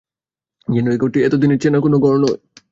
যেন এই ঘরটি এত দিনের চেনা কোনো ঘর নয়।